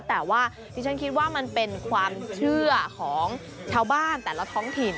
แต่ว่าดิฉันคิดว่ามันเป็นความเชื่อของชาวบ้านแต่ละท้องถิ่น